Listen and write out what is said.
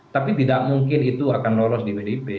tapi tidak mungkin itu akan lolos di pdip